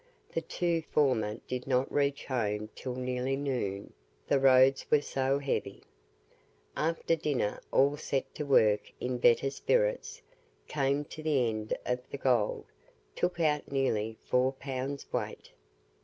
The two former did not reach home till nearly noon, the roads were so heavy. After dinner all set to work in better spirits; came to the end of the gold took out nearly four Pounds weight.